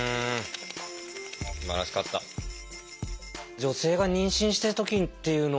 女性が妊娠してる時っていうのは。